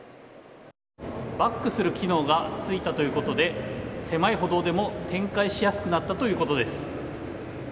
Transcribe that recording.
バックする機能が付いたということで狭い歩道でも転回しやすくなったということです。